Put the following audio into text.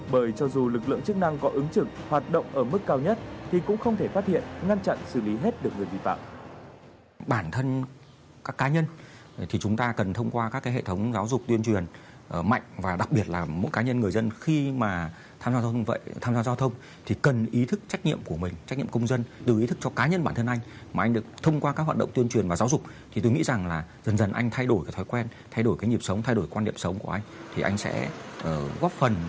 bởi cho dù lực lượng chức năng có ứng trực hoạt động ở mức cao nhất thì cũng không thể phát hiện ngăn chặn xử lý hết được người vi phạm